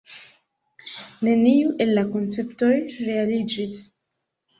Neniu el la konceptoj realiĝis.